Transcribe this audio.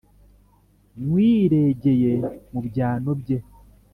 Nywiregeye mu byano bye